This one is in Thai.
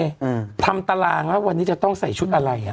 สำนัดบุคลุกทำตารางแล้ววันนี้จะต้องใส่ชุดอะไรอะ